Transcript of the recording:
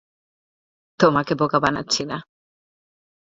তোমাকে বোকা বানাচ্ছি না।